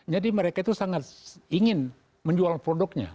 jadi mereka itu sangat ingin menjual barang barangnya